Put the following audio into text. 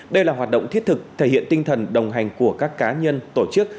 đây là hoạt động thiết thực thể hiện tinh thần đồng hành của các cá nhân tổ chức